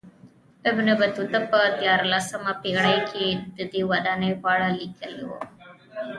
ابن بطوطه په دیارلسمه پېړۍ کې ددې ودانۍ په اړه لیکلي و.